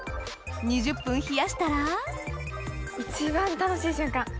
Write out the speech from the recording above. ２０分冷やしたら一番楽しい瞬間。